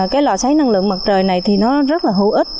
cái lò xáy năng lượng mặt trời này thì nó rất là hữu ích